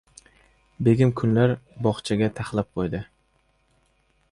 Begim kunlar bo‘xchaga taxlab qo‘ydi.